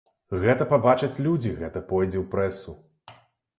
Гэта пабачаць людзі, гэта пойдзе ў прэсу.